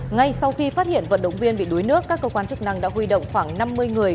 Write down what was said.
ngay sau khi phát hiện vận động viên bị đuối nước các cơ quan chức năng đã huy động khoảng năm mươi người